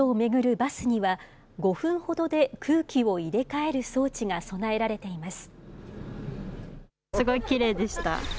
バスには、５分ほどで空気を入れ替える装置が備えられています。